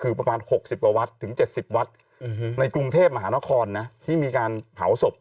คือประมาณ๖๐กว่าวัดถึง๗๐วัดในกรุงเทพมหานครนะที่มีการเผาศพ